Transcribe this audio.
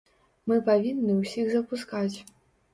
Мы павінны ўсіх запускаць.